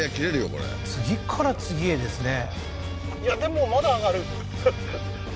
これ次から次へですね